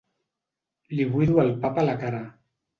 Li buido el pap a la cara.